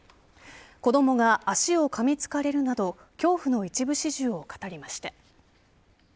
子どもが足をかみつかれるなど恐怖の一部始終を語りました。